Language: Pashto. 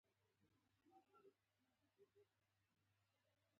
هلته پر اوسېدونکو خدای لورينې کړي دي.